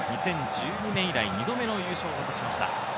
２０１２年以来、２度目の優勝を果たしました。